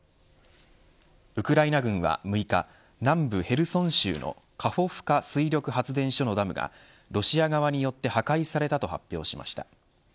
ウクライナ軍は６日南部ヘルソン州のカホフカ水力発電所のダムがロシア側によって破壊されたと発表しました。